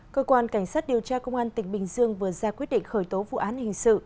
cơ quan cảnh sát điều tra công an tỉnh bình dương vừa ra quyết định khởi tố vụ án hình sự